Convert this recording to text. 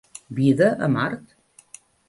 Vida a Mart?